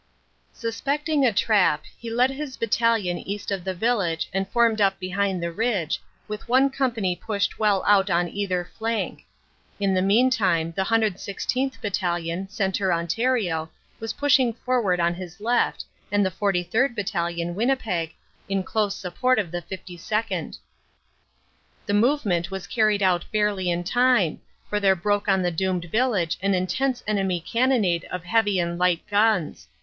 Suspecting a trap, he led his battalion east of the village and formed up behind the ridge, with one company pushed well out on either flank. In the meantime the 1 16th. Battalion, Centre Ontario, was pushing forward on his left and the 43rd. Battalion, Winnipeg, in close support of the 52nd. The movement was carried out barely in time for there broke on the doomed village an intense enemy cannonade of heavy and light guns.